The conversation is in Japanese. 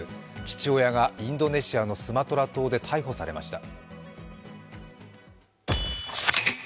父親がインドネシアのスマトラ島で逮捕されました。